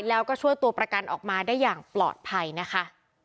แล้วก็ช่วยตัวประกันออกมาได้อย่างปลอดภัยนะคะ